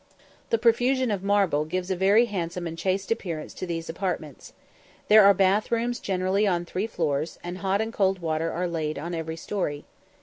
The profusion of marble gives a very handsome and chaste appearance to these apartments. There are bath rooms generally on three floors, and hot and cold water are laid on in every story.